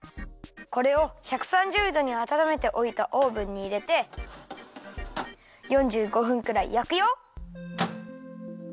これを１３０どにあたためておいたオーブンにいれて４５分くらいやくよ。